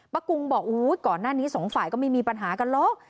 กุ้งบอกก่อนหน้านี้สองฝ่ายก็ไม่มีปัญหากันหรอก